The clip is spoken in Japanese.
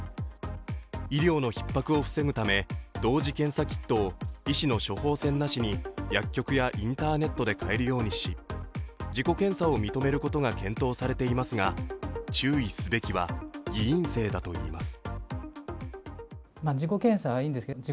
医療のひっ迫を防ぐため、同時検査キットを医師の処方箋なしに薬局やインターネットで買えるようにし自己検査を認めることが検討されていますが注意すべきは偽陰性だといいます。